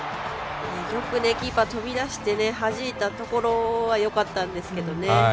よくキーパー飛び出してはじいたところはよかったんですけどね